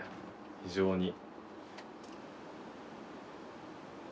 非常に。